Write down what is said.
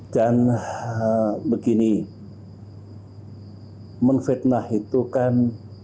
dan begini menfitnah itu kan